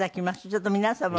ちょっと皆様も。